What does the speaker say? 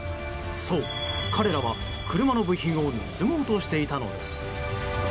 そう、彼らは車の部品を盗もうとしていたのです。